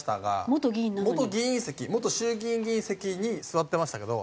元議員席元衆議院議員席に座ってましたけど。